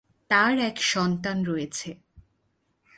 তার এক সন্তান রয়েছে।